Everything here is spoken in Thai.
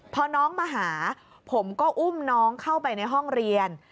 พอน้องมาหาผมก็อุ้มน้องเข้าไปในห้องเรียน